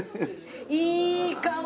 いい香り。